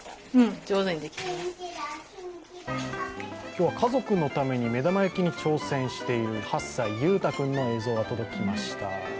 今日は家族のために目玉焼きに挑戦している８歳、ゆうた君の映像が届きました。